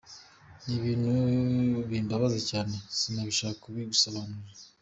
Ni ibintu bimbabaza cyane sinabasha kubigusobanurira.